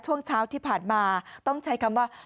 ช่วงเช้าที่ผ่านมาต้องใช้คำว่า